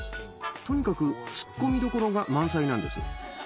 とにかくツッコミどころが満載なんです。